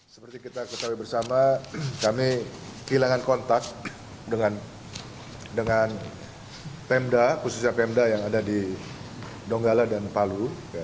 seperti kita ketahui bersama kami kehilangan kontak dengan pemda khususnya pemda yang ada di donggala dan palu